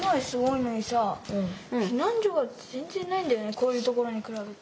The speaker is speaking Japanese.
こういうところに比べて。